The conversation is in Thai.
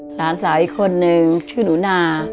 หลานสาวอีกคนนึงชื่อหนูนา